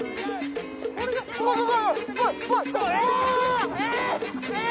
あっ！